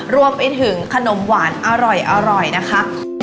รวมไปถึงขนมหวานอร่อยนะคะ